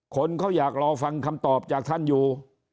คนเขาอยากรอฟังคำตอบจากท่านอยู่